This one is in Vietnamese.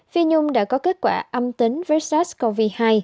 phi nhung đã có kết quả âm tính với sars cov hai